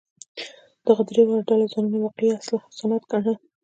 دغو درې واړو ډلو ځانونه واقعي اهل سنت ګڼل.